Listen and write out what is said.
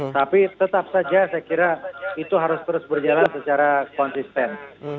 tapi tetap saja saya kira itu harus terus berjalan secara konsisten